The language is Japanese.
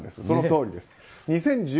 そのとおりです。